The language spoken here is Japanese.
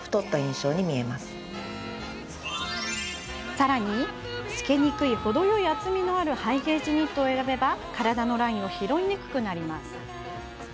さらに、透けにくい程よい厚みのあるハイゲージニットを選べば体のラインを拾いにくくなります。